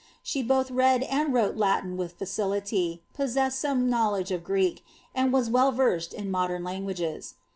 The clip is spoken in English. She both read and wrote Latin with facility, possessed some knowledge of Greek, and was well versed in modern languages.